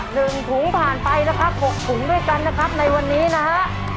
หนึ่งถุงผ่านไปนะครับหกถุงด้วยกันนะครับในวันนี้นะฮะ